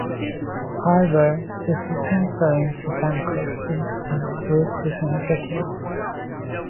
However, the system fell into bankruptcy and closed within a decade.